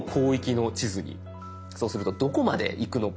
そうするとどこまでいくのか。